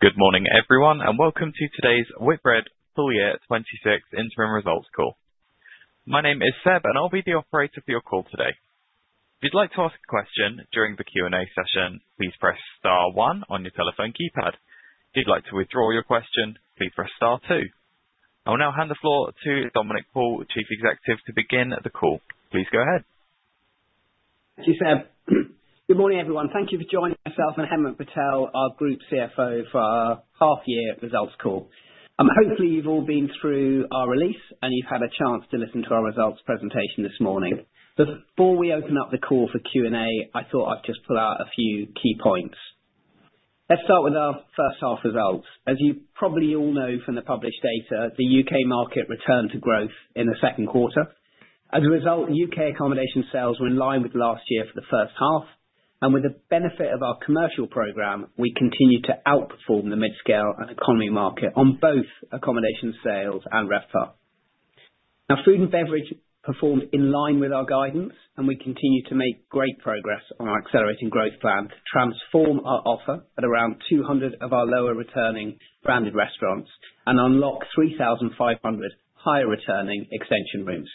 Good morning, everyone, and welcome to today's Whitbread H1 2026 Interim Results Call. My name is Seb, and I'll be the operator for your call today. If you'd like to ask a question during the Q&A session, please press star one on your telephone keypad. If you'd like to withdraw your question, please press star two. I will now hand the floor to Dominic Paul, Chief Executive, to begin the call. Please go ahead. Thank you, Seb. Good morning, everyone. Thank you for joining myself and Hemant Patel, our Group CFO, for our half-year results call. Hopefully, you've all been through our release, and you've had a chance to listen to our results presentation this morning. Before we open up the call for Q&A, I thought I'd just pull out a few key points. Let's start with our first half results. As you probably all know from the published data, the U.K. market returned to growth in the second quarter. As a result, U.K. accommodation sales were in line with last year for the first half, and with the benefit of our commercial program, we continue to outperform the mid-scale and economy market on both accommodation sales and RevPAR. Our food and beverage performed in line with our guidance, and we continue to make great progress on our accelerating growth plan to transform our offer at around 200 of our lower-returning branded restaurants and unlock 3,500 higher-returning extension rooms.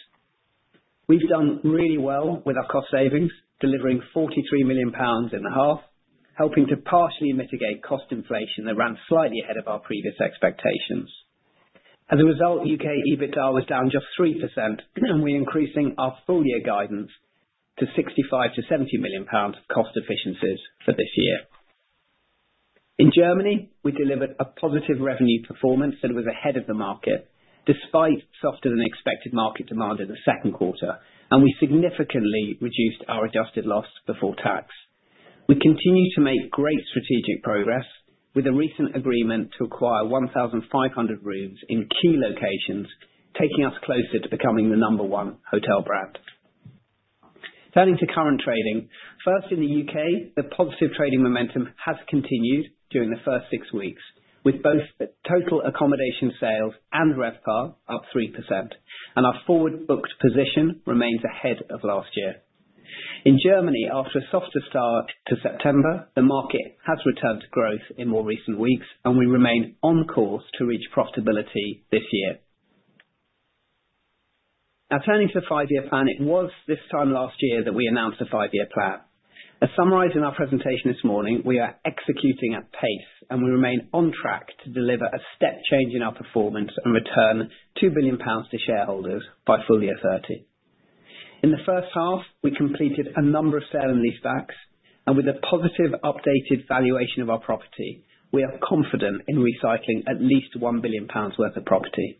We've done really well with our cost savings, delivering 43 million pounds in the half, helping to partially mitigate cost inflation that ran slightly ahead of our previous expectations. As a result, U.K. EBITDA was down just 3%, and we're increasing our full-year guidance to 65-70 million pounds of cost efficiencies for this year. In Germany, we delivered a positive revenue performance that was ahead of the market, despite softer-than-expected market demand in the second quarter, and we significantly reduced our adjusted loss before tax. We continue to make great strategic progress with a recent agreement to acquire 1,500 rooms in key locations, taking us closer to becoming the number one hotel brand. Turning to current trading, first, in the U.K., the positive trading momentum has continued during the first six weeks, with both total accommodation sales and RevPAR up 3%, and our forward-booked position remains ahead of last year. In Germany, after a softer start to September, the market has returned to growth in more recent weeks, and we remain on course to reach profitability this year. Now, turning to the five-year plan, it was this time last year that we announced a five-year plan. As summarized in our presentation this morning, we are executing at pace, and we remain on track to deliver a step change in our performance and return 2 billion pounds to shareholders by full-year 30. In the first half, we completed a number of sale and leasebacks, and with a positive updated valuation of our property, we are confident in recycling at least 1 billion pounds worth of property.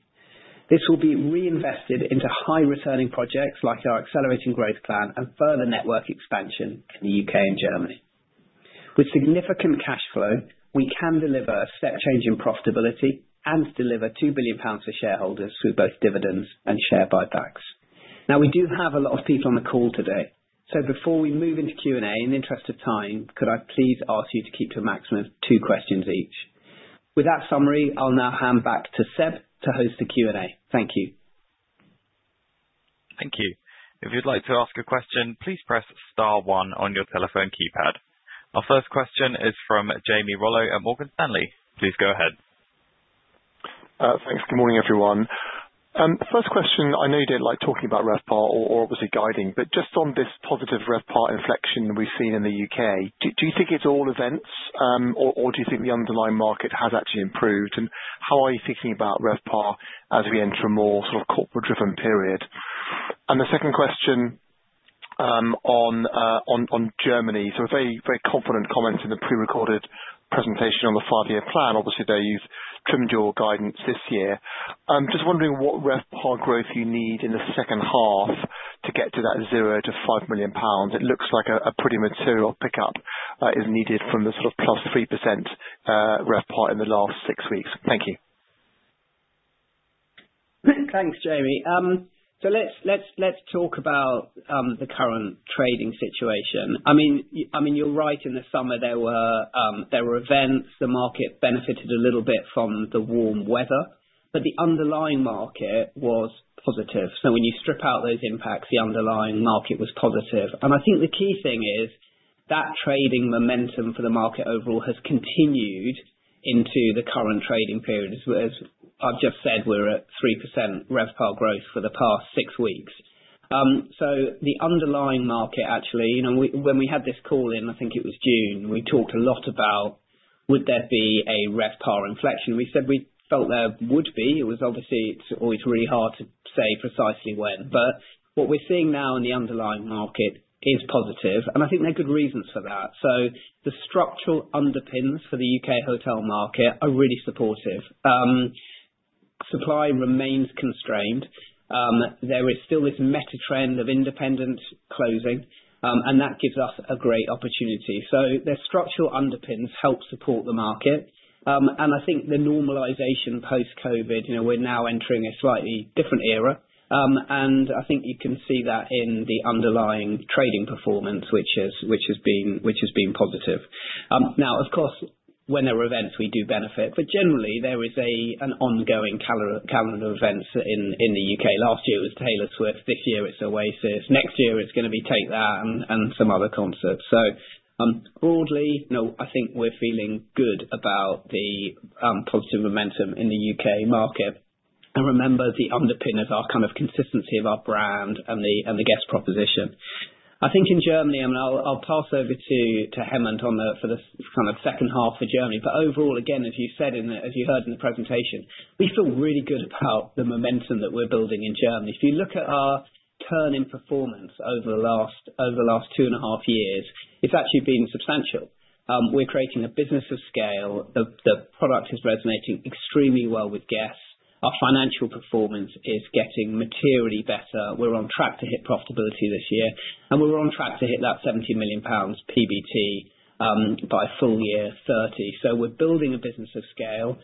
This will be reinvested into high-returning projects like our accelerating growth plan and further network expansion in the U.K. and Germany. With significant cash flow, we can deliver a step change in profitability and deliver 2 billion pounds to shareholders through both dividends and share buybacks. Now, we do have a lot of people on the call today, so before we move into Q&A, in the interest of time, could I please ask you to keep to a maximum of two questions each? With that summary, I'll now hand back to Seb to host the Q&A. Thank you. Thank you. If you'd like to ask a question, please press star one on your telephone keypad. Our first question is from Jamie Rollo at Morgan Stanley. Please go ahead. Thanks. Good morning, everyone. First question, I know you didn't like talking about RevPAR or obviously guiding, but just on this positive RevPAR inflection we've seen in the U.K., do you think it's all events, or do you think the underlying market has actually improved? And how are you thinking about RevPAR as we enter a more sort of corporate-driven period? And the second question on Germany, so a very, very confident comment in the pre-recorded presentation on the five-year plan. Obviously, though, you've trimmed your guidance this year. I'm just wondering what RevPAR growth you need in the second half to get to that GBP 0-£5 million. It looks like a pretty material pickup is needed from the sort of +3% RevPAR in the last six weeks. Thank you. Thanks, Jamie. So let's talk about the current trading situation. I mean, you're right, in the summer, there were events. The market benefited a little bit from the warm weather, but the underlying market was positive. So when you strip out those impacts, the underlying market was positive. And I think the key thing is that trading momentum for the market overall has continued into the current trading period. As I've just said, we're at 3% RevPAR growth for the past six weeks. So the underlying market, actually, when we had this call in, I think it was June, we talked a lot about, would there be a RevPAR inflection? We said we felt there would be. It was obviously always really hard to say precisely when, but what we're seeing now in the underlying market is positive, and I think there are good reasons for that. So the structural underpins for the U.K. hotel market are really supportive. Supply remains constrained. There is still this meta trend of independent closing, and that gives us a great opportunity. So the structural underpins help support the market, and I think the normalization post-COVID, we're now entering a slightly different era, and I think you can see that in the underlying trading performance, which has been positive. Now, of course, when there are events, we do benefit, but generally, there is an ongoing calendar of events in the U.K. Last year, it was Taylor Swift. This year, it's Oasis. Next year, it's going to be Take That and some other concerts. So broadly, no, I think we're feeling good about the positive momentum in the U.K. market. And remember, the underpin is our kind of consistency of our brand and the guest proposition. I think in Germany, and I'll pass over to Hemant for the kind of second half for Germany, but overall, again, as you said, as you heard in the presentation, we feel really good about the momentum that we're building in Germany. If you look at our turn-in performance over the last two and a half years, it's actually been substantial. We're creating a business of scale. The product is resonating extremely well with guests. Our financial performance is getting materially better. We're on track to hit profitability this year, and we're on track to hit that 70 million pounds PBT by full-year 30. So we're building a business of scale.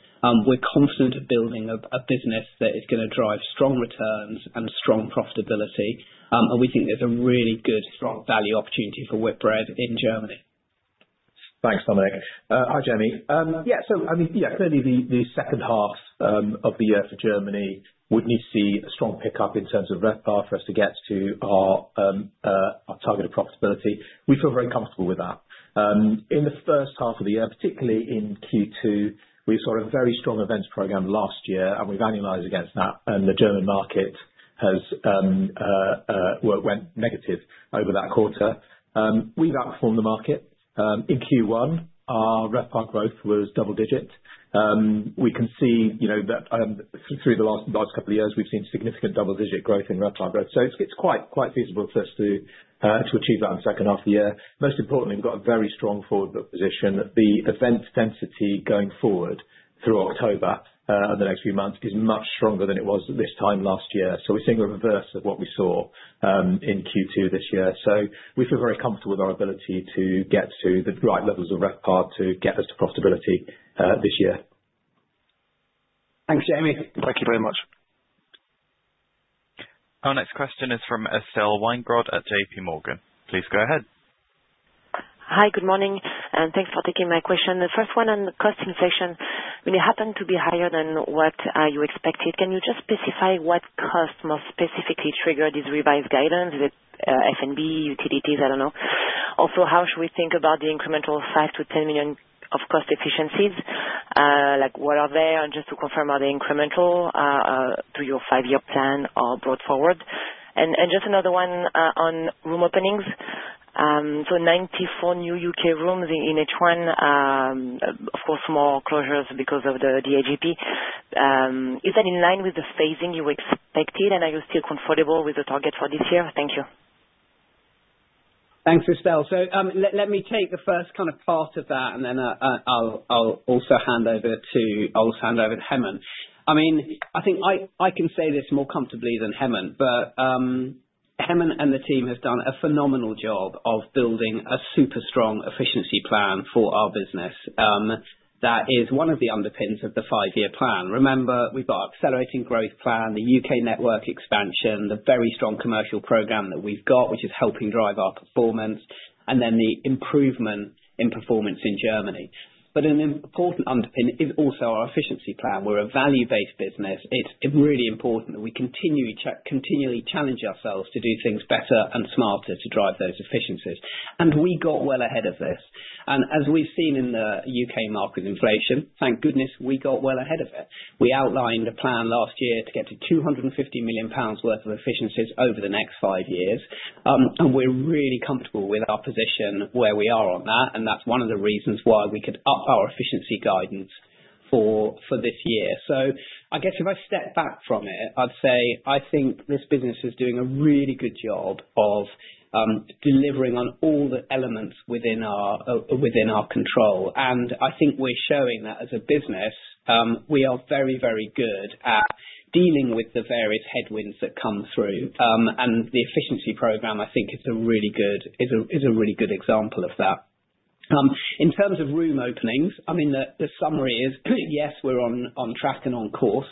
We're confident of building a business that is going to drive strong returns and strong profitability, and we think there's a really good, strong value opportunity for Whitbread in Germany. Thanks, Dominic. Hi, Jamie. Yeah, so I mean, yeah, clearly, the second half of the year for Germany would need to see a strong pickup in terms of RevPAR for us to get to our target of profitability. We feel very comfortable with that. In the first half of the year, particularly in Q2, we saw a very strong events program last year, and we've annualized against that, and the German market went negative over that quarter. We've outperformed the market. In Q1, our RevPAR growth was double-digit. We can see that through the last couple of years, we've seen significant double-digit growth in RevPAR growth. So it's quite feasible for us to achieve that in the second half of the year. Most importantly, we've got a very strong forward-booked position. The event density going forward through October and the next few months is much stronger than it was this time last year. So we're seeing the reverse of what we saw in Q2 this year. So we feel very comfortable with our ability to get to the right levels of RevPAR to get us to profitability this year. Thanks, Jamie. Thank you very much. Our next question is from Estelle Weingrod at J.P. Morgan. Please go ahead. Hi, good morning, and thanks for taking my question. The first one on cost inflation, when it happened to be higher than what you expected, can you just specify what cost more specifically triggered this revised guidance? Is it F&B, utilities? I don't know. Also, how should we think about the incremental 5-10 million of cost efficiencies? What are they? And just to confirm, are they incremental to your five-year plan or brought forward? And just another one on room openings. So 94 new U.K. rooms in H1, of course, more closures because of the AGP. Is that in line with the phasing you expected, and are you still comfortable with the target for this year? Thank you. Thanks, Estelle, so let me take the first kind of part of that, and then I'll also hand over to Hemant. I mean, I think I can say this more comfortably than Hemant, but Hemant and the team have done a phenomenal job of building a super strong efficiency plan for our business that is one of the underpins of the five-year plan. Remember, we've got our accelerating growth plan, the U.K. network expansion, the very strong commercial program that we've got, which is helping drive our performance, and then the improvement in performance in Germany, but an important underpin is also our efficiency plan. We're a value-based business. It's really important that we continually challenge ourselves to do things better and smarter to drive those efficiencies, and we got well ahead of this. And as we've seen in the U.K. market inflation, thank goodness, we got well ahead of it. We outlined a plan last year to get to 250 million pounds worth of efficiencies over the next five years, and we're really comfortable with our position where we are on that, and that's one of the reasons why we could up our efficiency guidance for this year. So I guess if I step back from it, I'd say I think this business is doing a really good job of delivering on all the elements within our control. And I think we're showing that as a business. We are very, very good at dealing with the various headwinds that come through, and the efficiency program, I think, is a really good example of that. In terms of room openings, I mean, the summary is, yes, we're on track and on course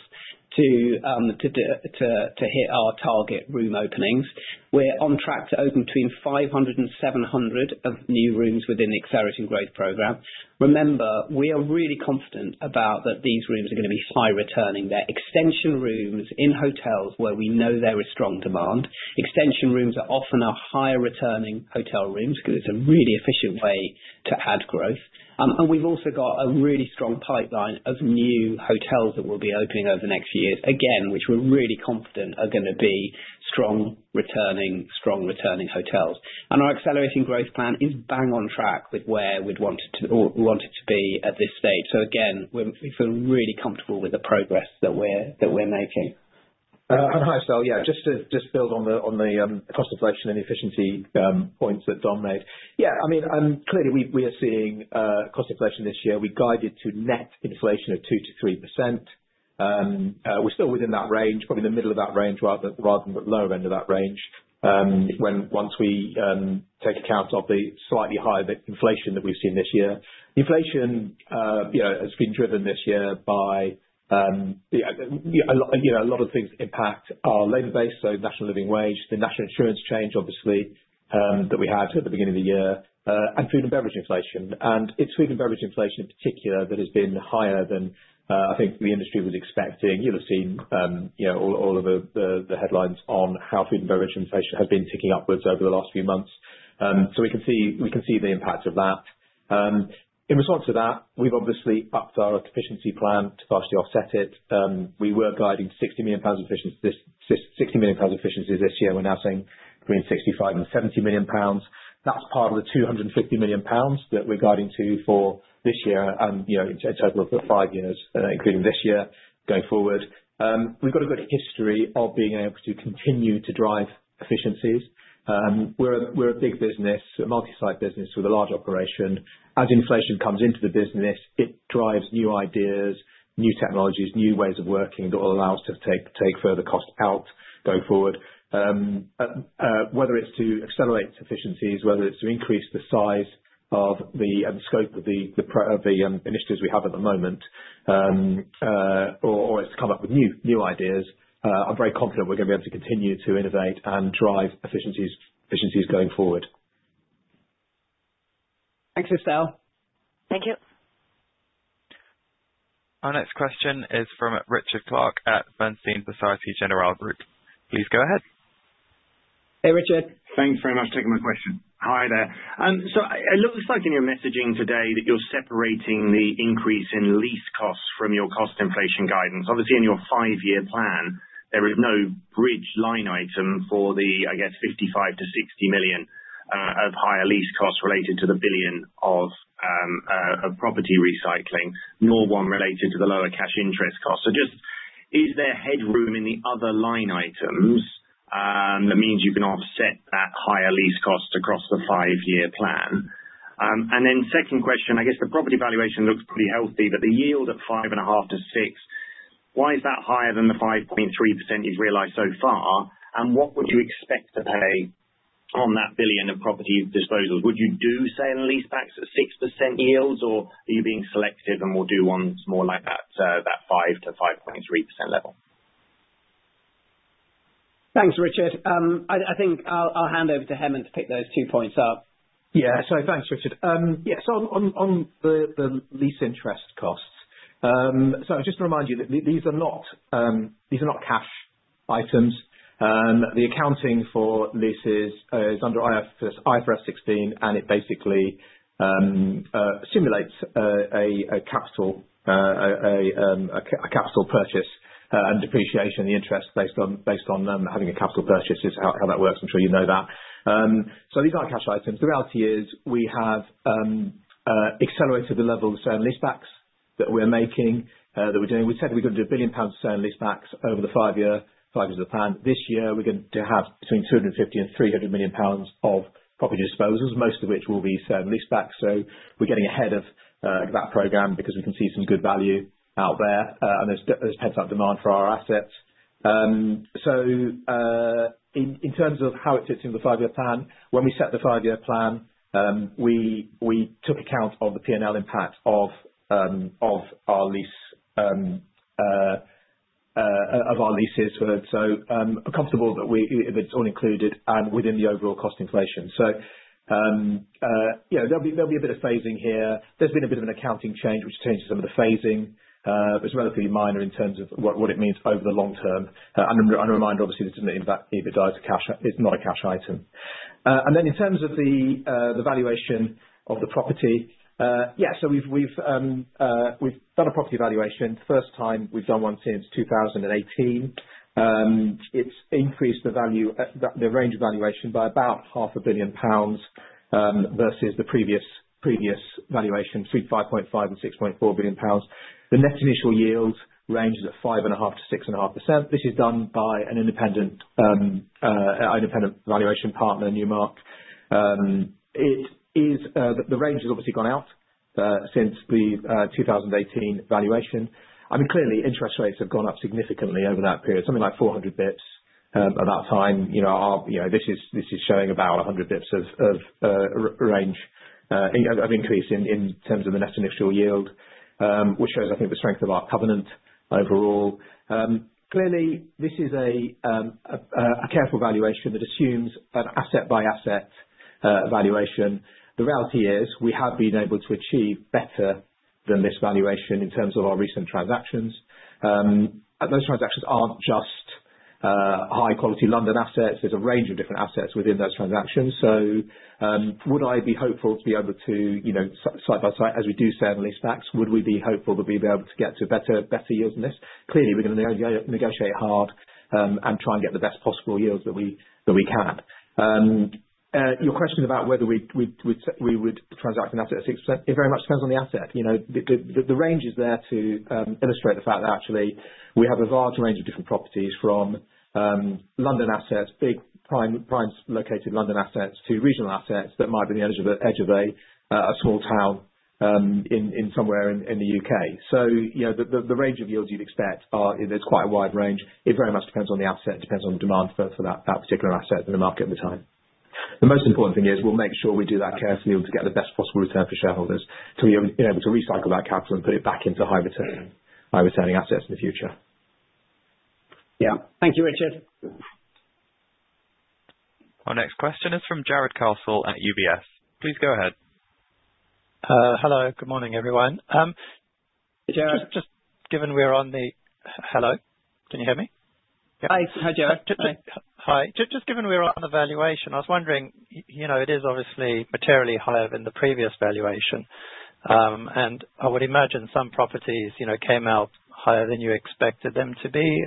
to hit our target room openings. We're on track to open between 500 and 700 of new rooms within the accelerating growth program. Remember, we are really confident that these rooms are going to be high-returning. They're extension rooms in hotels where we know there is strong demand. Extension rooms are often our higher-returning hotel rooms because it's a really efficient way to add growth, and we've also got a really strong pipeline of new hotels that we'll be opening over the next few years, again, which we're really confident are going to be strong-returning, strong-returning hotels, and our accelerating growth plan is bang on track with where we want it to be at this stage, so again, we feel really comfortable with the progress that we're making. And hi, Estelle. Yeah, just to build on the cost inflation and efficiency points that Dom made. Yeah, I mean, clearly, we are seeing cost inflation this year. We guided to net inflation of 2%-3%. We're still within that range, probably the middle of that range rather than the lower end of that range once we take account of the slightly higher inflation that we've seen this year. Inflation has been driven this year by a lot of things that impact our labor base, so National Living Wage, the National Insurance change, obviously, that we had at the beginning of the year, and food and beverage inflation. And it's food and beverage inflation in particular that has been higher than I think the industry was expecting. You'll have seen all of the headlines on how food and beverage inflation has been ticking upwards over the last few months. So we can see the impact of that. In response to that, we've obviously upped our efficiency plan to partially offset it. We were guiding 60 million pounds efficiencies this year. We're now seeing between 65 and 70 million pounds. That's part of the 250 million pounds that we're guiding to for this year and a total of five years, including this year going forward. We've got a good history of being able to continue to drive efficiencies. We're a big business, a multi-site business with a large operation. As inflation comes into the business, it drives new ideas, new technologies, new ways of working that will allow us to take further costs out going forward, whether it's to accelerate efficiencies, whether it's to increase the size and scope of the initiatives we have at the moment, or it's to come up with new ideas. I'm very confident we're going to be able to continue to innovate and drive efficiencies going forward. Thanks, Estelle. Thank you. Our next question is from Richard Clarke at Bernstein Société Générale Group. Please go ahead. Hey, Richard. Thanks very much for taking my question. Hi there. So it looks like in your messaging today that you're separating the increase in lease costs from your cost inflation guidance. Obviously, in your five-year plan, there is no bridge line item for the, I guess, 55-60 million of higher lease costs related to the 1 billion of property recycling, nor one related to the lower cash interest costs. So just is there headroom in the other line items that means you can offset that higher lease cost across the five-year plan? And then second question, I guess the property valuation looks pretty healthy, but the yield at 5.5%-6%, why is that higher than the 5.3% you've realized so far, and what would you expect to pay on that 1 billion of property disposals? Would you do sale and leasebacks at 6% yields, or are you being selective and will do ones more like that 5%-5.3% level? Thanks, Richard. I think I'll hand over to Hemant to pick those two points up. Yeah, so thanks, Richard. Yeah, so on the lease interest costs, so I'll just remind you that these are not cash items. The accounting for leases is under IFRS 16, and it basically simulates a capital purchase and depreciation of the interest based on having a capital purchase is how that works. I'm sure you know that. So these aren't cash items. The reality is we have accelerated the level of sale and leasebacks that we're making, that we're doing. We said we're going to do 1 billion pounds of sale and leasebacks over the five years of the plan. This year, we're going to have between 250 million and 300 million pounds of property disposals, most of which will be sale and leasebacks. So we're getting ahead of that program because we can see some good value out there, and there's pent-up demand for our assets. So in terms of how it fits into the five-year plan, when we set the five-year plan, we took account of the P&L impact of our leases, so we're comfortable that it's all included and within the overall cost inflation. So there'll be a bit of phasing here. There's been a bit of an accounting change, which changes some of the phasing. It's relatively minor in terms of what it means over the long term. And a reminder, obviously, this is an EBITDA to cash. It's not a cash item. And then in terms of the valuation of the property, yeah, so we've done a property valuation. First time we've done one since 2018. It's increased the range of valuation by about 500 million pounds versus the previous valuation, between 5.5 billion and 6.4 billion pounds. The net initial yield ranges at 5.5%-6.5%. This is done by an independent valuation partner, Newmark. The range has obviously gone out since the 2018 valuation. I mean, clearly, interest rates have gone up significantly over that period, something like 400 basis points at that time. This is showing about 100 basis points of range of increase in terms of the net initial yield, which shows, I think, the strength of our covenant overall. Clearly, this is a careful valuation that assumes an asset-by-asset valuation. The reality is we have been able to achieve better than this valuation in terms of our recent transactions. Those transactions aren't just high-quality London assets. There's a range of different assets within those transactions. So would I be hopeful to be able to, side by side, as we do sale and leasebacks? Would we be hopeful that we'd be able to get to better yields than this? Clearly, we're going to negotiate hard and try and get the best possible yields that we can. Your question about whether we would transact an asset at 6%, it very much depends on the asset. The range is there to illustrate the fact that actually we have a large range of different properties from London assets, big prime located London assets to regional assets that might be on the edge of a small town somewhere in the U.K. So the range of yields you'd expect, there's quite a wide range. It very much depends on the asset. It depends on the demand for that particular asset in the market at the time. The most important thing is we'll make sure we do that carefully to get the best possible return for shareholders to be able to recycle that capital and put it back into high-returning assets in the future. Yeah. Thank you, Richard. Our next question is from Jarrod Castle at UBS. Please go ahead. Hello. Good morning, everyone. Jarrod, just. Hello? Can you hear me? Hi, Jarrod. Hi. Just given we're on the valuation, I was wondering, it is obviously materially higher than the previous valuation. And I would imagine some properties came out higher than you expected them to be.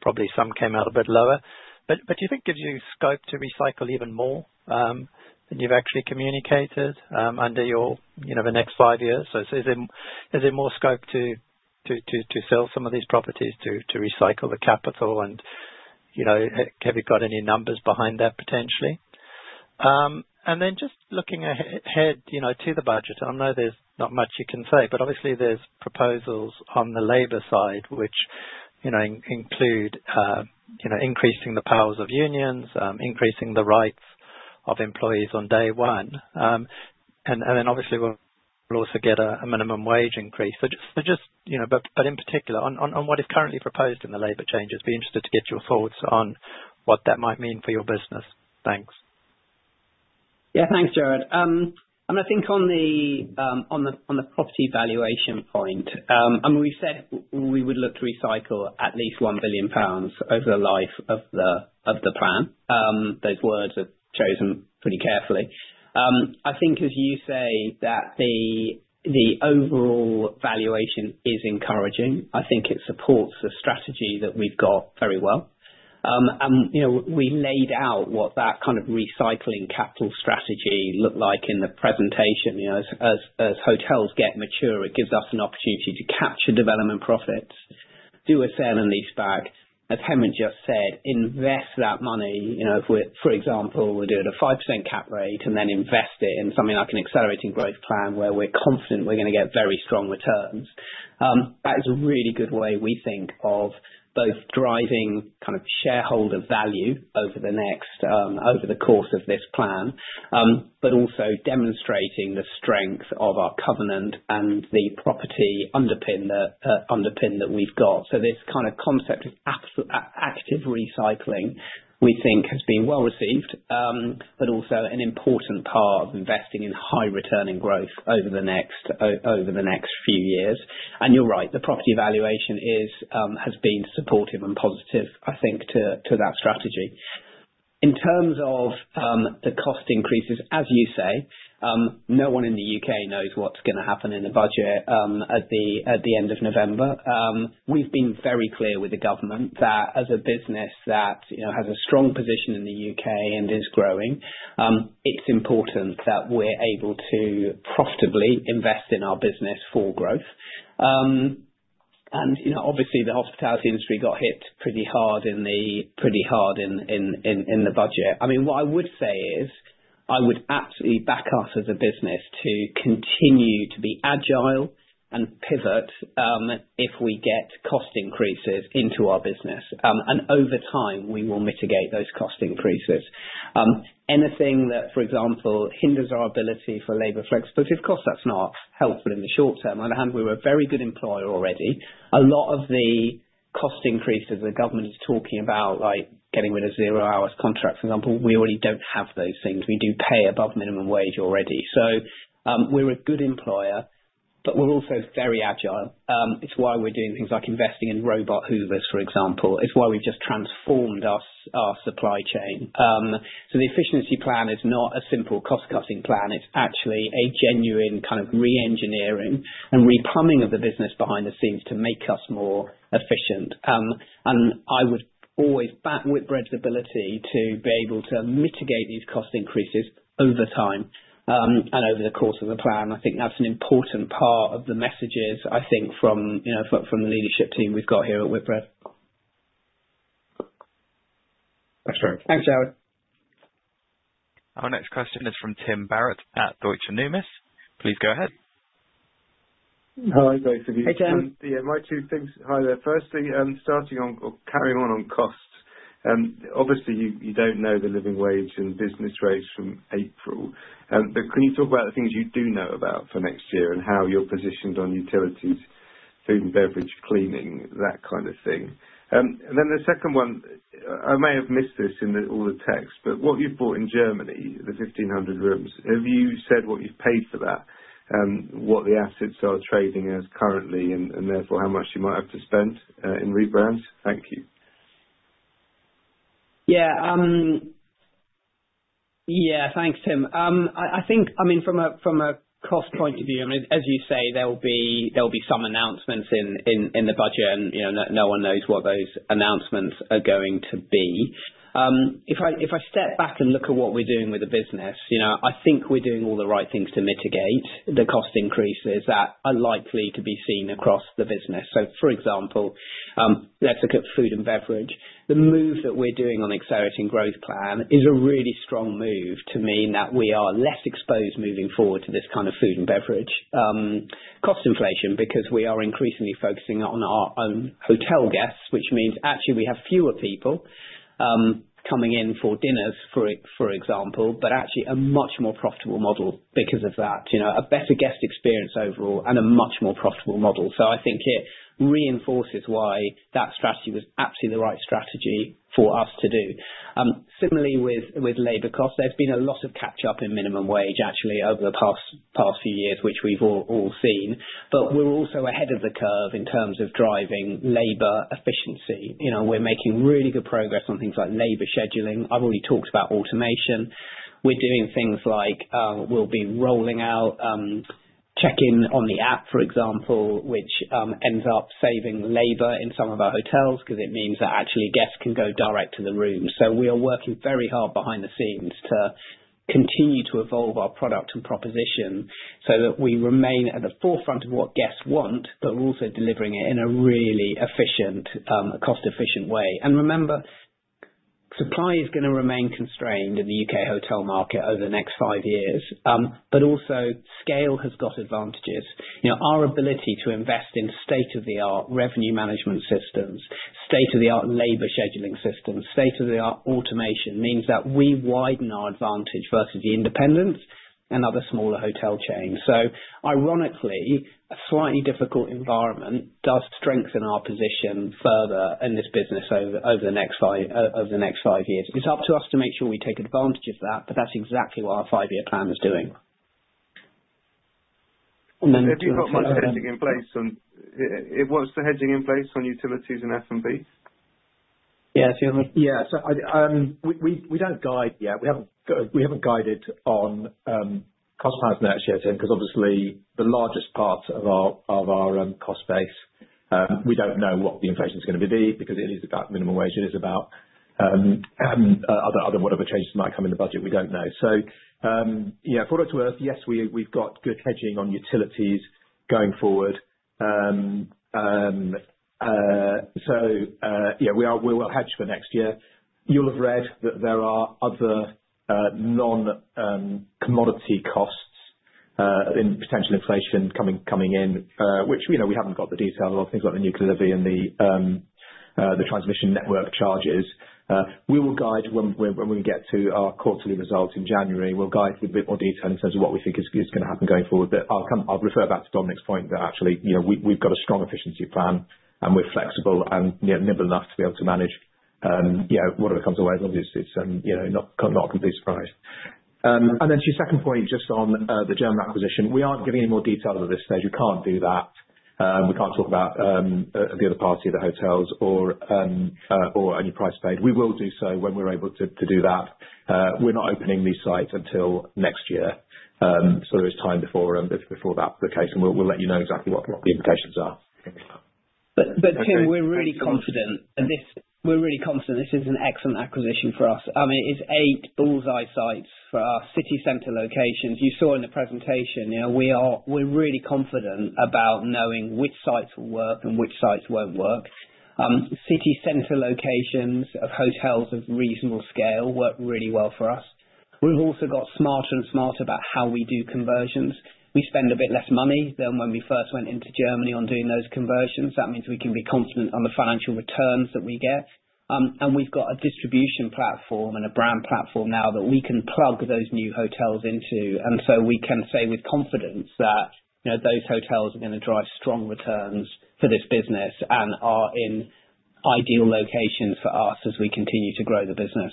Probably some came out a bit lower. But do you think it gives you scope to recycle even more than you've actually communicated under the next five years? So is there more scope to sell some of these properties to recycle the capital? And have you got any numbers behind that potentially? And then just looking ahead to the budget, I know there's not much you can say, but obviously there's proposals on the labor side, which include increasing the powers of unions, increasing the rights of employees on day one. And then obviously we'll also get a minimum wage increase. But in particular, on what is currently proposed in the labor changes, be interested to get your thoughts on what that might mean for your business? Thanks. Yeah, thanks, Jarrod. I mean, I think on the property valuation point, I mean, we said we would look to recycle at least 1 billion pounds over the life of the plan. Those words are chosen pretty carefully. I think, as you say, that the overall valuation is encouraging. I think it supports the strategy that we've got very well. And we laid out what that kind of recycling capital strategy looked like in the presentation. As hotels get mature, it gives us an opportunity to capture development profits, do a sale and leaseback. As Hemant just said, invest that money. For example, we'll do it at a 5% cap rate and then invest it in something like an accelerating growth plan where we're confident we're going to get very strong returns. That is a really good way, we think, of both driving kind of shareholder value over the course of this plan, but also demonstrating the strength of our covenant and the property underpin that we've got. So this kind of concept of active recycling, we think, has been well received, but also an important part of investing in high-returning growth over the next few years. And you're right, the property valuation has been supportive and positive, I think, to that strategy. In terms of the cost increases, as you say, no one in the U.K. knows what's going to happen in the budget at the end of November. We've been very clear with the government that as a business that has a strong position in the U.K. and is growing, it's important that we're able to profitably invest in our business for growth. Obviously, the hospitality industry got hit pretty hard in the budget. I mean, what I would say is I would absolutely back us as a business to continue to be agile and pivot if we get cost increases into our business. Over time, we will mitigate those cost increases. Anything that, for example, hinders our ability for labor flexibility, of course, that's not helpful in the short term. On the other hand, we were a very good employer already. A lot of the cost increases the government is talking about, like getting rid of zero-hours contracts, for example, we already don't have those things. We do pay above minimum wage already. So we're a good employer, but we're also very agile. It's why we're doing things like investing in robot hoovers, for example. It's why we've just transformed our supply chain. So the efficiency plan is not a simple cost-cutting plan. It's actually a genuine kind of re-engineering and replumbing of the business behind the scenes to make us more efficient. And I would always back Whitbread's ability to be able to mitigate these cost increases over time and over the course of the plan. I think that's an important part of the messages, I think, from the leadership team we've got here at Whitbread. Thanks, Jarrod. Our next question is from Tim Barrett at Deutsche Numis. Please go ahead. Hi, both of you. Hey, Tim. Yeah, my two things. Hi there. Firstly, starting on or carrying on costs, obviously, you don't know the living wage and business rates from April. But can you talk about the things you do know about for next year and how you're positioned on utilities, food and beverage, cleaning, that kind of thing? And then the second one, I may have missed this in all the text, but what you've bought in Germany, the 1,500 rooms, have you said what you've paid for that, what the assets are trading as currently, and therefore how much you might have to spend in rebrands? Thank you. Yeah. Yeah, thanks, Tim. I mean, from a cost point of view, I mean, as you say, there will be some announcements in the budget, and no one knows what those announcements are going to be. If I step back and look at what we're doing with the business, I think we're doing all the right things to mitigate the cost increases that are likely to be seen across the business. So, for example, let's look at food and beverage. The move that we're doing on the accelerating growth plan is a really strong move to mean that we are less exposed moving forward to this kind of food and beverage cost inflation because we are increasingly focusing on our own hotel guests, which means actually we have fewer people coming in for dinners, for example, but actually a much more profitable model because of that, a better guest experience overall, and a much more profitable model. So I think it reinforces why that strategy was absolutely the right strategy for us to do. Similarly, with labor costs, there's been a lot of catch-up in minimum wage, actually, over the past few years, which we've all seen. But we're also ahead of the curve in terms of driving labor efficiency. We're making really good progress on things like labor scheduling. I've already talked about automation. We're doing things like we'll be rolling out check-in on the app, for example, which ends up saving labor in some of our hotels because it means that actually guests can go direct to the room. So we are working very hard behind the scenes to continue to evolve our product and proposition so that we remain at the forefront of what guests want, but we're also delivering it in a really efficient, cost-efficient way. And remember, supply is going to remain constrained in the U.K. hotel market over the next five years, but also scale has got advantages. Our ability to invest in state-of-the-art revenue management systems, state-of-the-art labor scheduling systems, state-of-the-art automation means that we widen our advantage versus the independents and other smaller hotel chains. So, ironically, a slightly difficult environment does strengthen our position further in this business over the next five years. It's up to us to make sure we take advantage of that, but that's exactly what our five-year plan is doing, and then. Do you put much hedging in place? What's the hedging in place on utilities and F&B? Yeah, so we don't guide yet. We haven't guided on cost plans in the next year, Tim, because obviously the largest part of our cost base, we don't know what the inflation is going to be because it is about minimum wage. It is about other whatever changes might come in the budget. We don't know. So, yeah, for what it's worth, yes, we've got good hedging on utilities going forward. So, yeah, we will hedge for next year. You'll have read that there are other non-commodity costs in potential inflation coming in, which we haven't got the detail of, things like the nuclear levy and the transmission network charges. We will guide when we get to our quarterly results in January. We'll guide with a bit more detail in terms of what we think is going to happen going forward. But I'll refer back to Dominic's point that actually we've got a strong efficiency plan, and we're flexible and nimble enough to be able to manage whatever comes our way. Obviously, it's not a complete surprise. And then to your second point, just on the German acquisition, we aren't giving any more detail at this stage. We can't do that. We can't talk about the other party of the hotels or any price paid. We will do so when we're able to do that. We're not opening these sites until next year. So there is time before that, the case, and we'll let you know exactly what the implications are. But Tim, we're really confident. We're really confident this is an excellent acquisition for us. I mean, it's eight bullseye sites for our city center locations. You saw in the presentation, we're really confident about knowing which sites will work and which sites won't work. City center locations of hotels of reasonable scale work really well for us. We've also got smarter and smarter about how we do conversions. We spend a bit less money than when we first went into Germany on doing those conversions. That means we can be confident on the financial returns that we get. And we've got a distribution platform and a brand platform now that we can plug those new hotels into. And so we can say with confidence that those hotels are going to drive strong returns for this business and are in ideal locations for us as we continue to grow the business.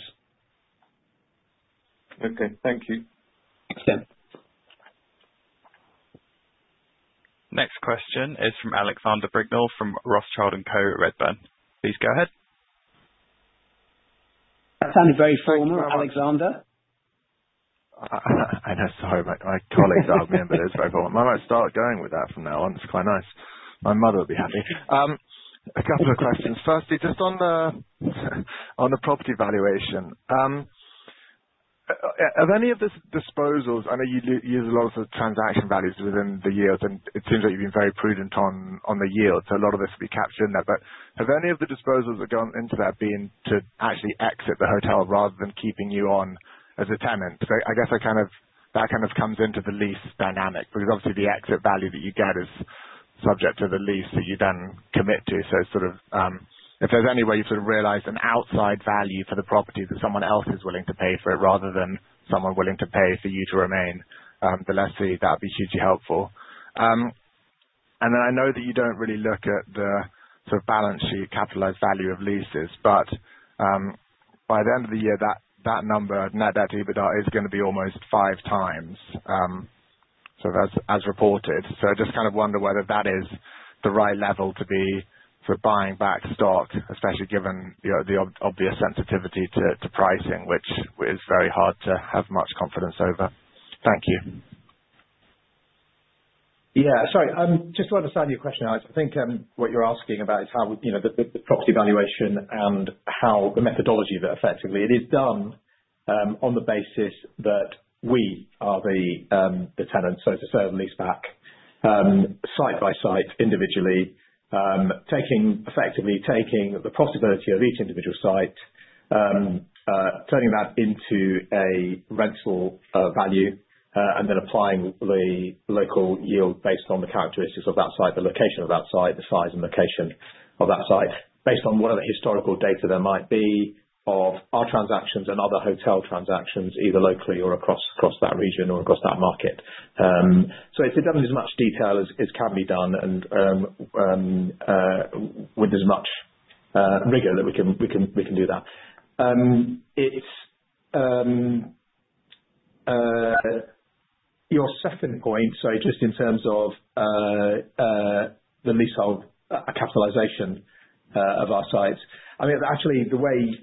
Okay. Thank you. Thanks, Tim. Next question is from Alexander Brignall from Rothschild & Co. at Redburn. Please go ahead. That sounded very formal, Alexander. I know. Sorry, my colleagues aren't mean, but it's very formal. I might start going with that from now on. It's quite nice. My mother would be happy. A couple of questions. Firstly, just on the property valuation, have any of the disposals, I know you use a lot of the transaction values within the yield, and it seems like you've been very prudent on the yield, so a lot of this will be captured in there. But have any of the disposals that go into that been to actually exit the hotel rather than keeping you on as a tenant? so I guess that kind of comes into the lease dynamic because obviously the exit value that you get is subject to the lease that you then commit to. So, sort of, if there's any way you've sort of realized an outside value for the property that someone else is willing to pay for it rather than someone willing to pay for you to remain the lessor, that would be hugely helpful. And then I know that you don't really look at the sort of balance sheet capitalized value of leases, but by the end of the year, that number, net debt EBITDA, is going to be almost five times, sort of as reported. So I just kind of wonder whether that is the right level to be sort of buying back stock, especially given the obvious sensitivity to pricing, which is very hard to have much confidence over. Thank you. Yeah. Sorry. Just to understand your question, Alex, I think what you're asking about is how the property valuation and how the methodology that effectively it is done on the basis that we are the tenants, so to sell the lease back, site by site, individually, effectively taking the profitability of each individual site, turning that into a rental value, and then applying the local yield based on the characteristics of that site, the location of that site, the size and location of that site, based on whatever historical data there might be of our transactions and other hotel transactions, either locally or across that region or across that market. So it's done in as much detail as can be done and with as much rigor that we can do that. Your second point, so just in terms of the lease capitalization of our sites, I mean, actually,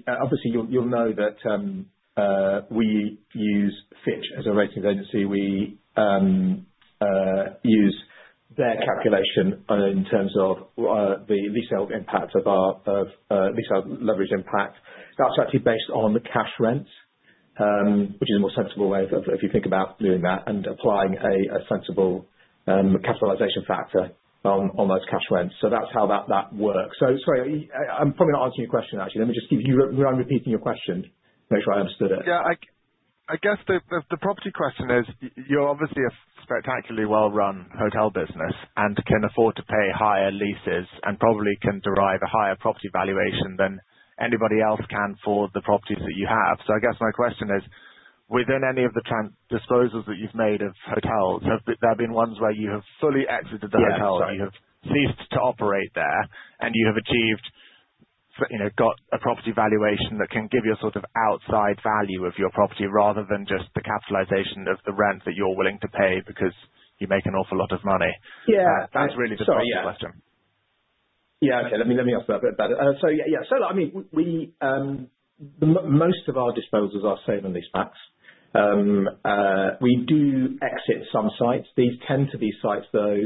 obviously, you'll know that we use Fitch as a rating agency. We use their calculation in terms of the lease leverage impact. That's actually based on the cash rent, which is a more sensible way if you think about doing that and applying a sensible capitalization factor on those cash rents. So that's how that works. So sorry, I'm probably not answering your question, actually. Let me just give you. I'm repeating your question to make sure I understood it. Yeah. I guess the property question is you're obviously a spectacularly well-run hotel business and can afford to pay higher leases and probably can derive a higher property valuation than anybody else can for the properties that you have. So I guess my question is, within any of the disposals that you've made of hotels, have there been ones where you have fully exited the hotel? You have ceased to operate there, and you have achieved, got a property valuation that can give you a sort of outside value of your property rather than just the capitalization of the rent that you're willing to pay because you make an awful lot of money? That's really the property question. Yeah. Yeah. Okay. Let me ask that a bit better. So yeah, I mean, most of our disposals are sale and leasebacks. We do exit some sites. These tend to be sites, though,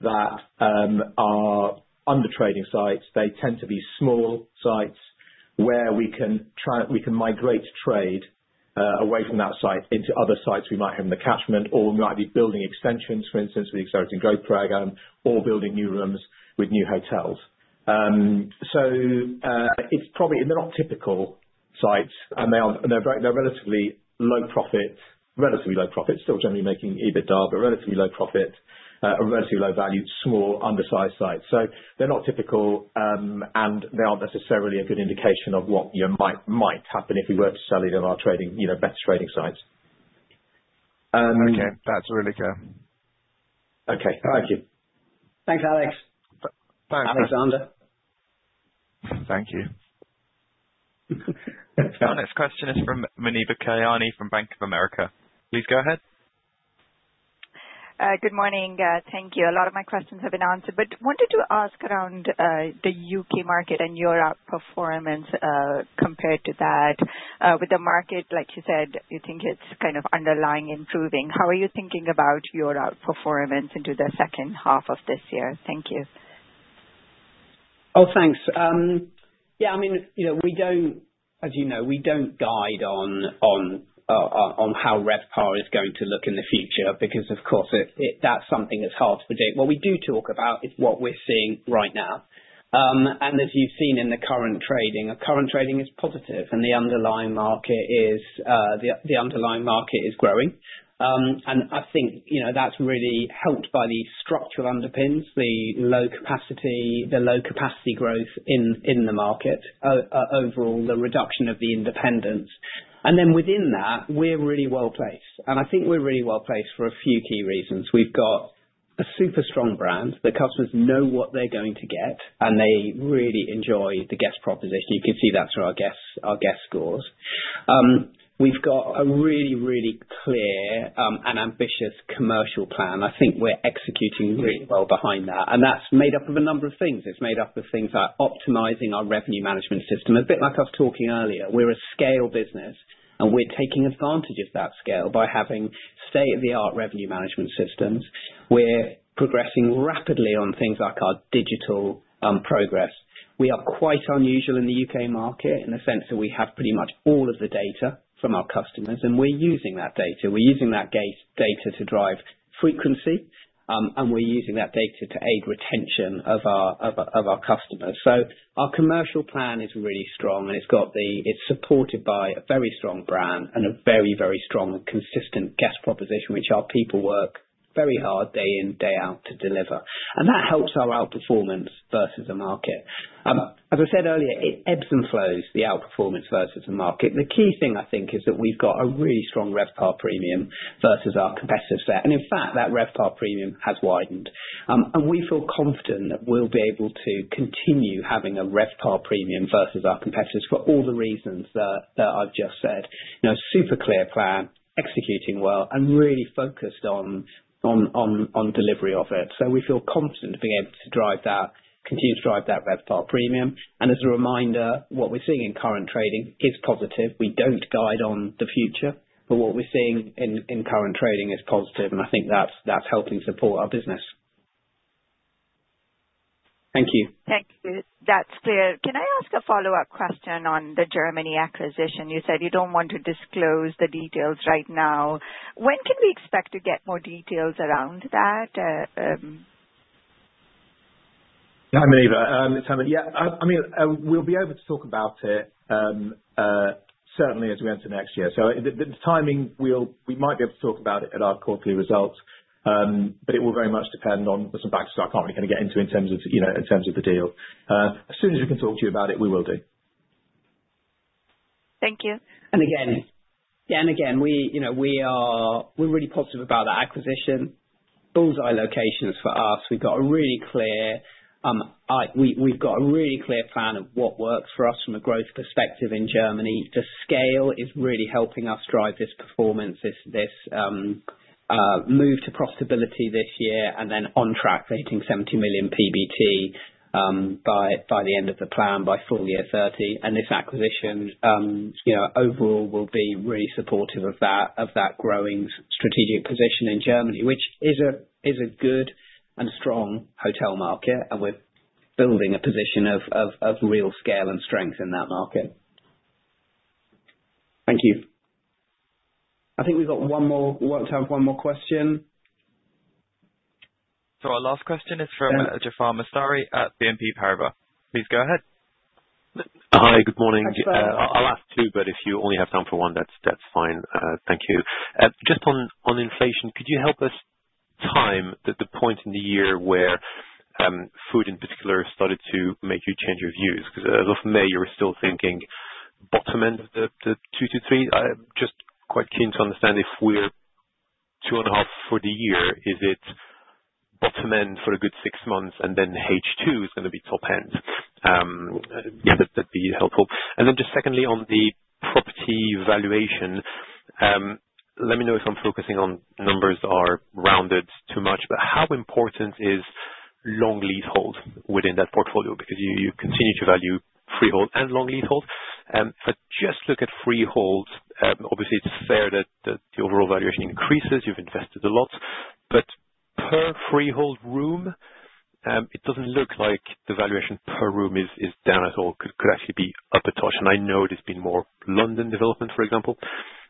that are under trading sites. They tend to be small sites where we can migrate trade away from that site into other sites we might have in the catchment, or we might be building extensions, for instance, with the accelerating growth program, or building new rooms with new hotels. So they're not typical sites, and they're relatively low profit, relatively low profit, still generally making EBITDA, but relatively low profit, a relatively low value, small, undersized sites. So they're not typical, and they aren't necessarily a good indication of what might happen if we were to sell one of our better trading sites. Okay. That's really clear. Okay. Thank you. Thanks, Alex. Thanks. Alexander. Thank you. Our next question is from Muneeba Kayani from Bank of America. Please go ahead. Good morning. Thank you. A lot of my questions have been answered, but wanted to ask around the U.K. market and your outperformance compared to that. With the market, like you said, you think it's kind of underlying improving. How are you thinking about your outperformance into the second half of this year? Thank you. Oh, thanks. Yeah. I mean, as you know, we don't guide on how RevPAR is going to look in the future because, of course, that's something that's hard to predict. What we do talk about is what we're seeing right now, and as you've seen in the current trading, current trading is positive, and the underlying market is growing, and I think that's really helped by the structural underpins, the low capacity growth in the market, overall, the reduction of the independents, and then within that, we're really well placed, and I think we're really well placed for a few key reasons. We've got a super strong brand. The customers know what they're going to get, and they really enjoy the guest proposition. You can see that through our guest scores. We've got a really, really clear and ambitious commercial plan. I think we're executing really well behind that. And that's made up of a number of things. It's made up of things like optimizing our revenue management system, a bit like I was talking earlier. We're a scale business, and we're taking advantage of that scale by having state-of-the-art revenue management systems. We're progressing rapidly on things like our digital progress. We are quite unusual in the U.K. market in the sense that we have pretty much all of the data from our customers, and we're using that data. We're using that data to drive frequency, and we're using that data to aid retention of our customers. So our commercial plan is really strong, and it's supported by a very strong brand and a very, very strong and consistent guest proposition, which our people work very hard day in, day out to deliver. And that helps our outperformance versus the market. As I said earlier, it ebbs and flows, the outperformance versus the market. The key thing, I think, is that we've got a really strong RevPAR premium versus our competitive set. And in fact, that RevPAR premium has widened. And we feel confident that we'll be able to continue having a RevPAR premium versus our competitors for all the reasons that I've just said. A super clear plan, executing well, and really focused on delivery of it. So we feel confident to be able to continue to drive that RevPAR premium. And as a reminder, what we're seeing in current trading is positive. We don't guide on the future, but what we're seeing in current trading is positive, and I think that's helping support our business. Thank you. Thank you. That's clear. Can I ask a follow-up question on the Germany acquisition? You said you don't want to disclose the details right now. When can we expect to get more details around that? Yeah, Muneeba. Yeah. I mean, we'll be able to talk about it certainly as we enter next year. So the timing, we might be able to talk about it at our quarterly results, but it will very much depend on some factors I can't really kind of get into in terms of the deal. As soon as we can talk to you about it, we will do. Thank you. And again, yeah, and again, we're really positive about that acquisition. Bullseye locations for us. We've got a really clear plan of what works for us from a growth perspective in Germany. The scale is really helping us drive this performance, this move to profitability this year, and then on track, hitting 70 million PBT by the end of the plan, by full year 2030. And this acquisition overall will be really supportive of that growing strategic position in Germany, which is a good and strong hotel market, and we're building a position of real scale and strength in that market. Thank you.I think we've got one more. We won't have one more question. Our last question is from Jaafar Mestari at BNP Paribas. Please go ahead. Hi. Good morning. I'll ask two, but if you only have time for one, that's fine. Thank you. Just on inflation, could you help us time the point in the year where food, in particular, started to make you change your views? Because as of May, you were still thinking bottom end of the two to three. I'm just quite keen to understand if we're two and a half for the year, is it bottom end for a good six months, and then H2 is going to be top end? Yeah, that'd be helpful, and then just secondly, on the property valuation, let me know if I'm focusing on numbers that are rounded too much, but how important is long leasehold within that portfolio? Because you continue to value freehold and long leasehold. If I just look at freehold, obviously, it's fair that the overall valuation increases. You've invested a lot, but per freehold room, it doesn't look like the valuation per room is down at all. It could actually be up a touch, and I know there's been more London development, for example,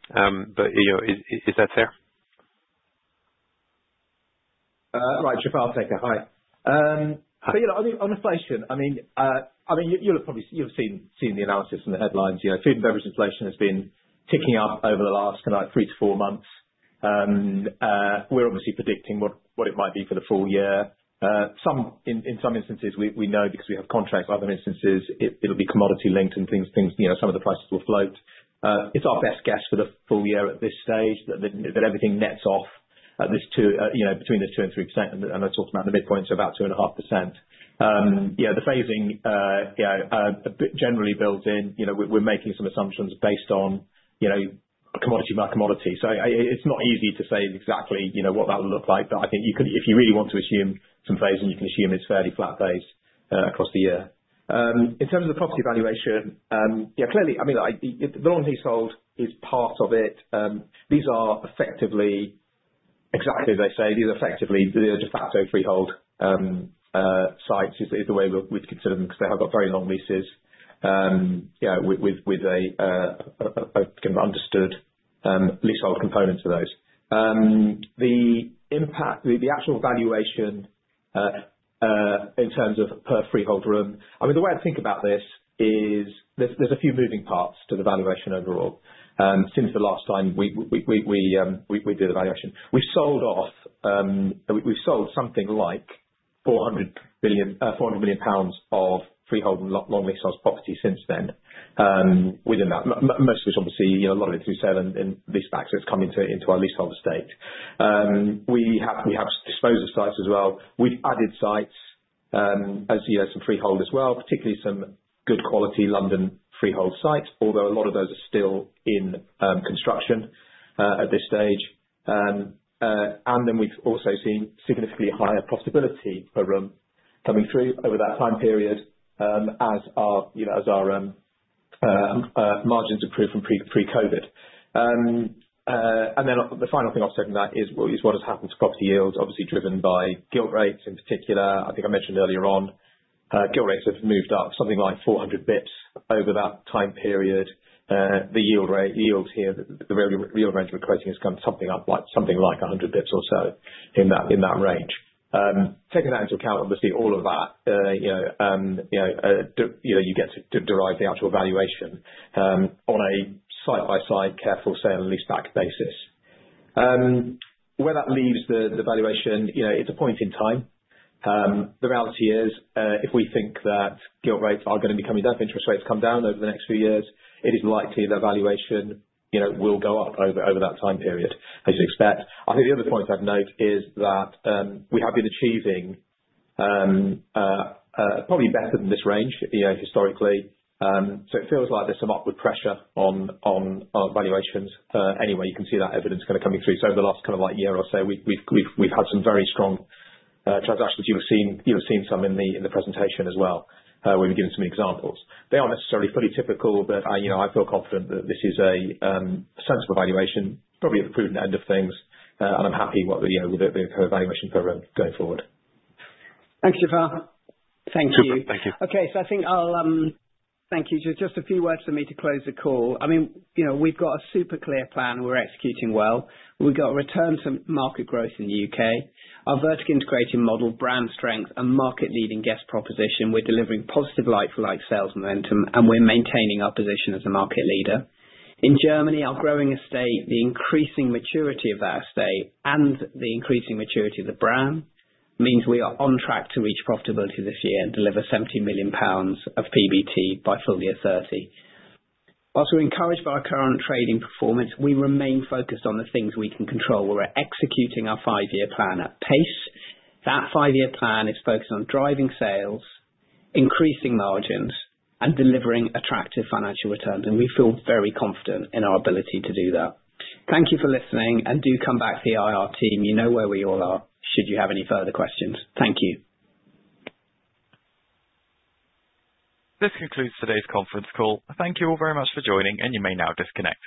but is that fair? Right. Jaafar takes it. Hi. But yeah, on inflation, I mean, you've seen the analysis and the headlines. Food and beverage inflation has been ticking up over the last three to four months. We're obviously predicting what it might be for the full year. In some instances, we know because we have contracts. Other instances, it'll be commodity linked and some of the prices will float. It's our best guess for the full year at this stage that everything nets off between 2% and 3%. And I talked about the midpoint, so about 2.5%. Yeah, the phasing generally built in. We're making some assumptions based on commodity by commodity. So it's not easy to say exactly what that will look like, but I think if you really want to assume some phasing, you can assume it's fairly flat phased across the year. In terms of the property valuation, yeah, clearly, I mean, the long leasehold is part of it. These are effectively exactly as they say. These are effectively de facto freehold sites is the way we'd consider them because they have got very long leases with a kind of understood leasehold component to those. The actual valuation in terms of per freehold room, I mean, the way I'd think about this is there's a few moving parts to the valuation overall since the last time we did the valuation. We've sold off. We've sold something like 400 million pounds of freehold and long leasehold properties since then within that. Most of it's obviously, a lot of it through sale and leasebacks. It's come into our leasehold estate. We have disposal sites as well. We've added sites as some freehold as well, particularly some good quality London freehold sites, although a lot of those are still in construction at this stage. And then we've also seen significantly higher profitability per room coming through over that time period as our margins improve from pre-COVID. And then the final thing I'll say from that is what has happened to property yields, obviously driven by gilt rates in particular. I think I mentioned earlier on, gilt rates have moved up something like 400 basis points over that time period. The yield here, the real range we're creating has come something like 100 basis points or so in that range. Taking that into account, obviously, all of that, you get to derive the actual valuation on a side-by-side, careful sale and leaseback basis. Where that leaves the valuation, it's a point in time. The reality is, if we think that gilt rates are going to be coming down, if interest rates come down over the next few years, it is likely that valuation will go up over that time period, as you'd expect. I think the other point I'd note is that we have been achieving probably better than this range historically. So it feels like there's some upward pressure on valuations anyway. You can see that evidence kind of coming through. So over the last kind of year or so, we've had some very strong transactions. You've seen some in the presentation as well. We've given some examples. They aren't necessarily fully typical, but I feel confident that this is a sensible valuation, probably at the prudent end of things, and I'm happy with the kind of valuation program going forward. Thanks, Jaafar. Thank you. Thank you. Okay, so I think I'll thank you. Just a few words for me to close the call. I mean, we've got a super clear plan. We're executing well. We've got return to market growth in the U.K. Our vertical integration model, brand strength, and market-leading guest proposition. We're delivering positive like-for-like sales momentum, and we're maintaining our position as a market leader. In Germany, our growing estate, the increasing maturity of our estate, and the increasing maturity of the brand means we are on track to reach profitability this year and deliver 70 million pounds of PBT by full year 30. While we're encouraged by our current trading performance, we remain focused on the things we can control. We're executing our five-year plan at pace. That five-year plan is focused on driving sales, increasing margins, and delivering attractive financial returns, and we feel very confident in our ability to do that. Thank you for listening, and do come back to the IR team. You know where we all are should you have any further questions. Thank you. This concludes today's conference call. Thank you all very much for joining, and you may now disconnect.